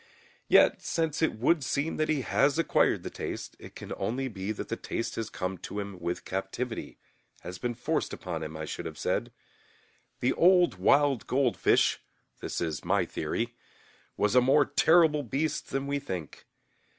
Yet, since it would seem that he has acquired the taste, it can only be that the taste has come to him with captivityŌĆöhas been forced upon him, I should have said. The old wild goldfish (this is my theory) was a more terrible beast than we think.